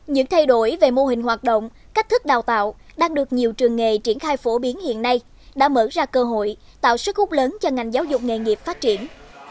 những thay đổi về mô hình hoạt động cách thức đào tạo đang được nhiều trường nghề triển khai phổ biến hiện nay đã mở ra cơ hội tạo sức hút lớn cho ngành giáo dục nghề nghiệp phát triển